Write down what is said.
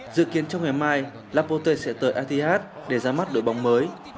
dự kiến trong ngày mai lapote sẽ tới arthyard để ra mắt đội bóng mới